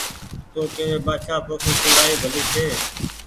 تو ڪيوي بآڇآ پوکي سون رآئي ڀلي ڇي